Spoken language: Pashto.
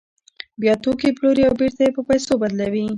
بیا توکي پلوري او بېرته یې په پیسو بدلوي